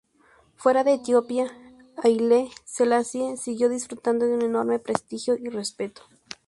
Fuera de Etiopía, Haile Selassie siguió disfrutando de un enorme prestigio y respeto.